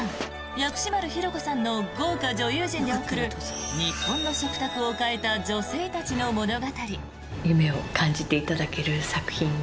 薬師丸ひろ子さんの豪華女優陣で送る日本の食卓を変えた女性たちの物語。